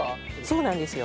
そうなんですよ。